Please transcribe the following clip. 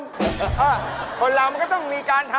ถ้าเป็นปากถ้าเป็นปากถ้าเป็นปาก